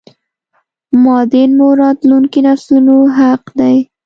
معادن مو راتلونکو نسلونو حق دی